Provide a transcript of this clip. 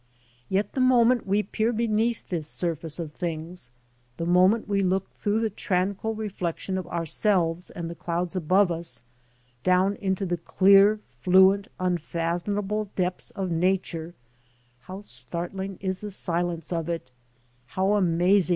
Yet the moment we peer beneath this surface of things, the moment we look through the tranquil reflection of our selves and the clouds above us, down into the clear, fluent, unfathom able depths of nature, how startling is the silence of it, how amazing 408 THE TALL OFFICE BUILDING ARTISTICALLY CONSIDERED.